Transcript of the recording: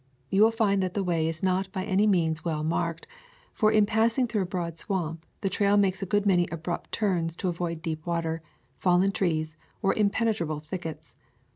You will find that the way is not by any means well marked, for in passing through a broad swamp, the trail makes a good many abrupt turns to avoid deep water, fallen trees, or impenetrable thickets.